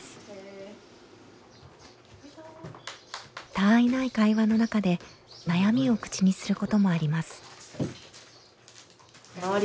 たわいない会話の中で悩みを口にすることもあります。